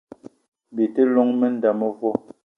Bi te llong m'nda mevo